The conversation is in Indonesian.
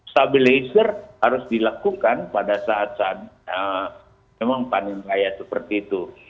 stabilizer harus dilakukan pada saat saat memang panen raya seperti itu